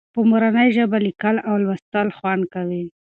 په مورنۍ ژبه لیکل او لوستل خوند کوي.